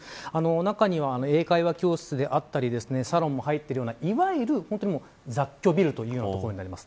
中には、英会話教室であったりサロンも入っているようないわゆる雑居ビルというような所になります。